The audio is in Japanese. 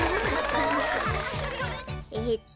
えっと